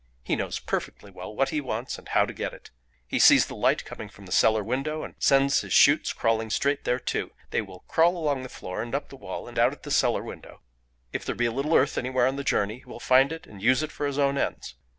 He knows perfectly well what he wants and how to get it. He sees the light coming from the cellar window and sends his shoots crawling straight thereto: they will crawl along the floor and up the wall and out at the cellar window; if there be a little earth anywhere on the journey he will find it and use it for his own ends.